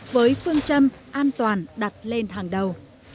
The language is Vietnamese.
với phương châm an toàn đặt lên hàng đầu